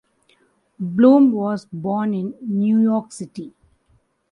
Bloom was born in New York City.